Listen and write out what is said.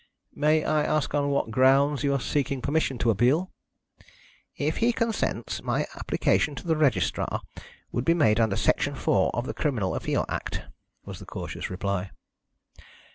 "May I ask on what grounds you are seeking permission to appeal?" "If he consents, my application to the Registrar would be made under Section Four of the Criminal Appeal Act," was the cautious reply.